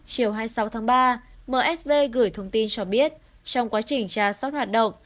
chiều hai mươi sáu tháng ba msb gửi thông tin cho biết trong quá trình tra sót hoạt động